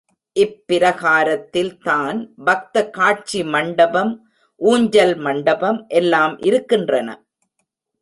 இப்பிரகாரத்தில் தான் பக்த காட்சி மண்டபம், ஊஞ்சல் மண்டபம் எல்லாம் இருக்கின்றன.